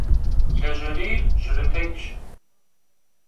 Lejerêyr - jırıtecş.